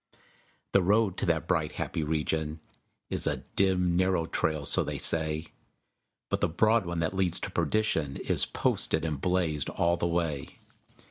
The road to that bright, happy region Is a dim, narrow trail, so they say; But the broad one that leads to perdition Is posted and blazed all the way.